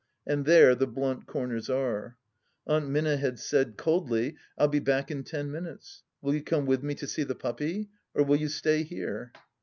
And there the blunt corners are ! Aunt Minna had said, coldly :" I'll be back m ten minutes. Will you come with me to see the puppy — or will you stay here